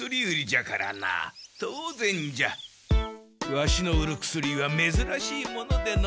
ワシの売る薬はめずらしいものでの。